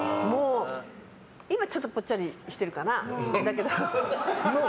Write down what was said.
今、ちょっとぽっちゃりしてるかな。